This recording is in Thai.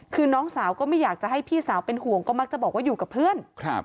คือน้องสาวก็ไม่อยากจะให้พี่สาวเป็นห่วงก็มักจะบอกว่าอยู่กับเพื่อน